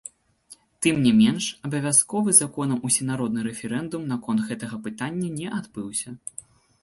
Тым не менш, абавязковы законам усенародны рэферэндум наконт гэтага пытання не адбыўся.